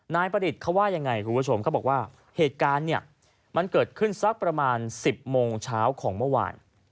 นายประดิษฐ์เขาว่ายังไงคุณผู้ชมเขาบอกว่าเหตุการณ์เนี่ยมันเกิดขึ้นสักประมาณ๑๐โมงเช้าของเมื่อวาน